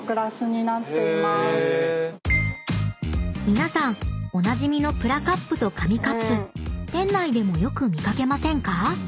［皆さんおなじみのプラカップと紙カップ店内でもよく見掛けませんか？］